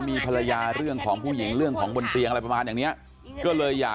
คุณพี่ก็บอกว่าเหมือนบางเรื่องแต่บางเรื่องก็ยังไม่ได้พิสูจน์เลยนะว่าเหมือนเมียจริงหรือเปล่า